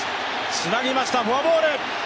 つなぎましたフォアボール。